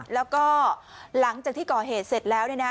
แล้วก็หลังจากที่ก่อเหตุเสร็จแล้ว